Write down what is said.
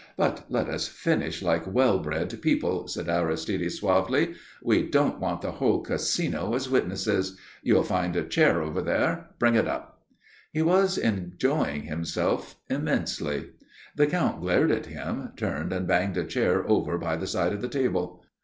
But let us finish like well bred people," said Aristide suavely. "We don't want the whole Casino as witnesses. You'll find a chair over there. Bring it up." He was enjoying himself immensely. The Count glared at him, turned and banged a chair over by the side of the table.